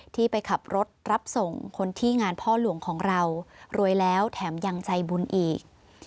ที่ไปขับรถรับส่งคนที่งานพ่อหลวงของเรารวยแล้วแถมยังใจบุญอีก